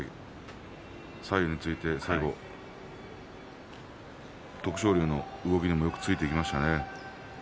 左右について、最後徳勝龍の動きによくついていきましたね。